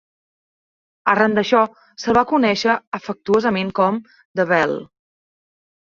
Arran d'això, se'l va conèixer afectuosament com "The Bell".